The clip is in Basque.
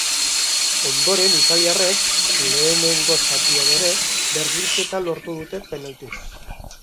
Ondoren italiarrek, lehenengo zatian ere, berdinketa lortu dute penaltiz.